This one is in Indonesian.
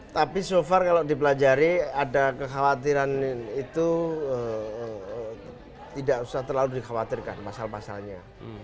tapi so far kalau dipelajari ada kekhawatiran itu tidak usah terlalu dikhawatirkan pasal pasalnya